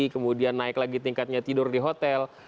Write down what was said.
kemudian naik lagi tingkatnya tidur di hotel